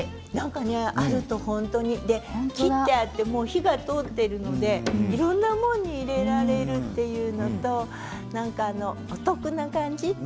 あると本当に切ってあって火が通っているのでいろんなものに入れられるというのとお得な感じ。